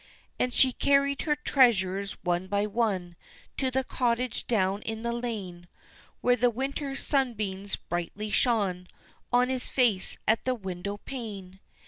And she carried her treasures one by one To the cottage down in the lane, Where the winter sunbeams brightly shone On his face at the window pane.